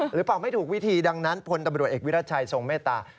เป่าไม่ถูกวิธีดังนั้นพลตำรวจเอกวิรัชัยทรงเมตตา